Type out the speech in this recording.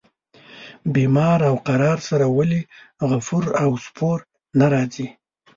بیمار او قرار سره ولي غفور او سپور نه راځي.